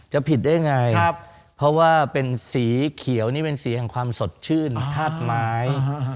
จะผิดได้ไงเพราะว่าเป็นสีเขียวนี่เป็นสีแห่งความสดชื่นธาตุไม้